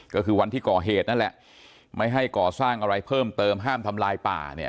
ก็คือวันที่ก่อเหตุนั่นแหละไม่ให้ก่อสร้างอะไรเพิ่มเติมห้ามทำลายป่าเนี่ย